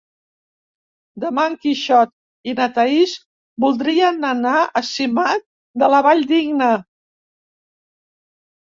Demà en Quixot i na Thaís voldrien anar a Simat de la Valldigna.